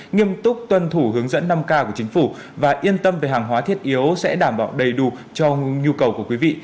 nghiêm túc tuân thủ hướng dẫn năm k của chính phủ và yên tâm về hàng hóa thiết yếu sẽ đảm bảo đầy đủ cho nhu cầu của quý vị